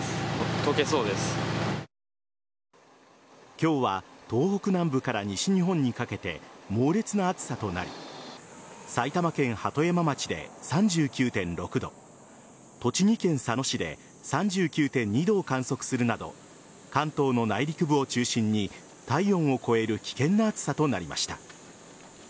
今日は東北南部から西日本にかけて猛烈な暑さとなり埼玉県鳩山町で３９．６度栃木県佐野市で３９．２度を観測するなど関東の内陸部を中心に体温を超える危険な暑さとなりました。